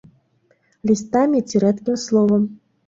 Лістамі ці рэдкім словам.